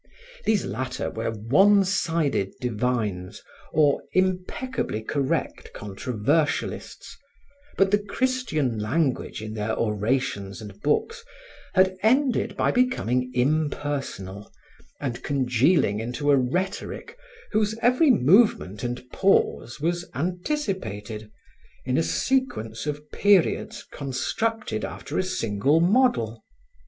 These latter were one sided divines or impeccably correct controversialists, but the Christian language in their orations and books had ended by becoming impersonal and congealing into a rhetoric whose every movement and pause was anticipated, in a sequence of periods constructed after a single model.